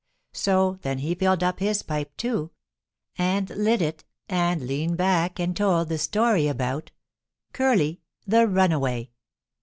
So then he filled up his pipe, too, and lit it and leaned back and told the story about CURLY, THE RUNAWAY.